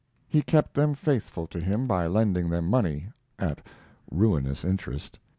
He kept them faithful to him by lending them money at ruinous interest.